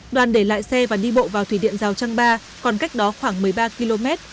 đoàn để lại xe và đi bộ vào thủy điện rào trăng ba còn cách đó khoảng một mươi ba km